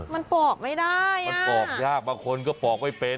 มันปอกไม่ได้มันปอกยากบางคนก็ปอกไม่เป็น